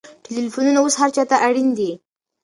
ټلېفونونه اوس هر چا ته اړین دي.